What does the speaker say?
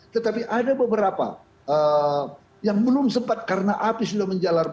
tetapi ada beberapa yang belum sempat karena api sudah menjalar